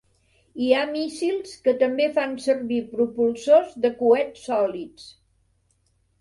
Hi ha míssils que també fan servir propulsors de coets sòlids.